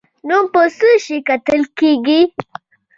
نوم په څه شي ګټل کیږي؟